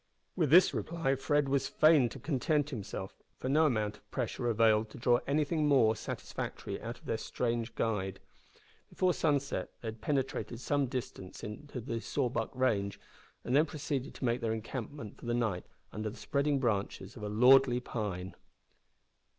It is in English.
With this reply Fred was fain to content himself, for no amount of pressure availed to draw anything more satisfactory out of their strange guide. Before sunset they had penetrated some distance into the Sawback range, and then proceeded to make their encampment for the night under the spreading branches of a lordly pine!